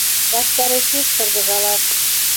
Ваштарешет шыргыжалаш.